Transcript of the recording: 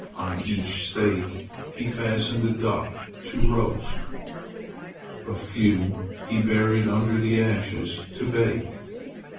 On each stake he fastened a duck to roast. A few he buried under the ashes to bake.